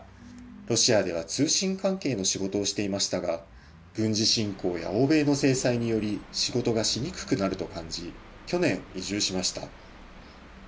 ロシアでは通信関係の仕事をしていましたが、軍事侵攻や欧米の制裁により、仕事がしにくくなると感じ、去年、移住しました。